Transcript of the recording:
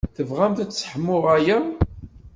Tebɣamt ad sseḥmuɣ aya?